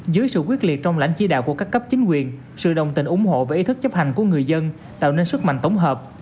dưới sự quyết liệt trong lãnh chỉ đạo của các cấp chính quyền sự đồng tình ủng hộ và ý thức chấp hành của người dân tạo nên sức mạnh tổng hợp